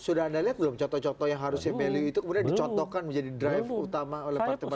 sudah anda lihat belum contoh contoh yang harusnya value itu kemudian dicontohkan menjadi drive utama oleh partai partai